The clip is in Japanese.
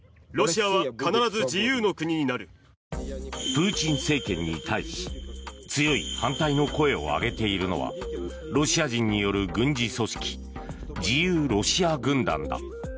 プーチン政権に対し強い反対の声を上げているのはロシア人による軍事組織自由ロシア軍団だ。